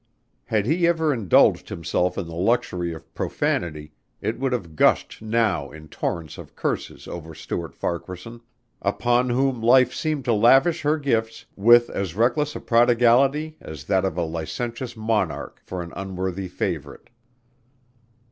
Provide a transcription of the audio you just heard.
Had he ever indulged himself in the luxury of profanity it would have gushed now in torrents of curses over Stuart Farquaharson, upon whom life seemed to lavish her gifts with as reckless a prodigality as that of a licentious monarch for an unworthy favorite.